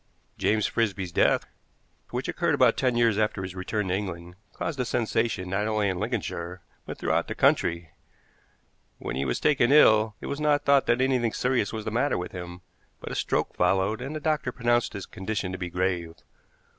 James Frisby's death, which occurred about ten years after his return to England, caused a sensation not only in Lincolnshire, but throughout the country. When he was taken ill it was not thought that anything serious was the matter with him, but a stroke followed, and the doctor pronounced his condition to be grave.